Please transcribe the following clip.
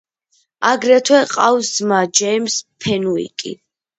აგრეთვე ჰყავს ძმა, ჯეიმზ ფენუიკი.